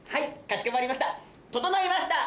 かしこまりました。